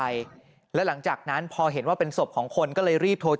หลังจากพบศพผู้หญิงปริศนาตายตรงนี้ครับ